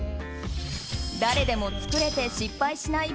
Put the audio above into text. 誰でも作れて失敗しない